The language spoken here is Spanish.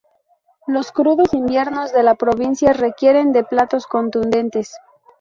Los crudos inviernos de la provincia requieren de platos contundentes.